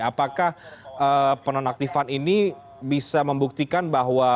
apakah penonaktifan ini bisa membuktikan bahwa